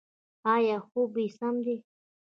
ایا خوب یې سم دی؟